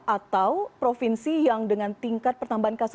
atau provinsi yang dengan tingkat pertambahan kasus